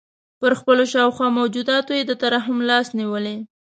پر خپلو شاوخوا موجوداتو یې د ترحم لاس نیولی.